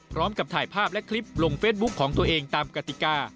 พร้อมกับถ่ายภาพและคลิปลงเฟซบุ๊คของตัวเองตามกติกา